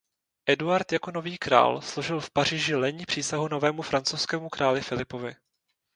Eduard jako nový král složil v Paříži lenní přísahu novému francouzskému králi Filipovi.